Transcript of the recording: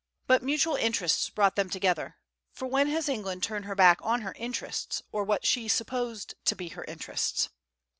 But mutual interests brought them together; for when has England turned her back on her interests, or what she supposed to be her interests?